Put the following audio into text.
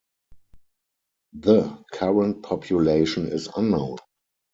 The current population is unknown.